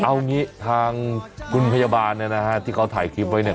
เอางี้ทางคุณพยาบาลเนี่ยนะฮะที่เขาถ่ายคลิปไว้เนี่ย